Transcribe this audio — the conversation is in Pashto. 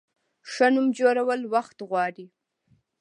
ښه نوم جوړول وخت غواړي.